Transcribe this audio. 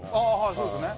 そうですね